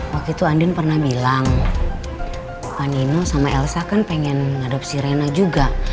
waktu itu andien pernah bilang bapak nino sama elsa kan pengen ngadopsi rena juga